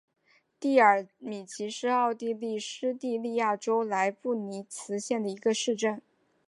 蒂尔米奇是奥地利施蒂利亚州莱布尼茨县的一个市镇。